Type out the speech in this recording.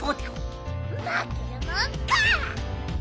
まけるもんか！